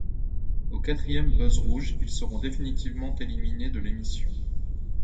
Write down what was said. Au quatrième buzz rouge, ils seront définitivement éliminés de l'émission.